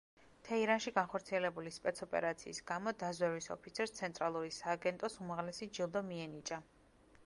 თეირანში განხორციელებული სპეცოპერაციის გამო დაზვერვის ოფიცერს ცენტრალური სააგენტოს უმაღლესი ჯილდო მიენიჭა.